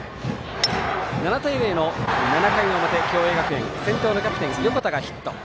７対０の７回の表、共栄学園先頭のキャプテン、横田がヒット。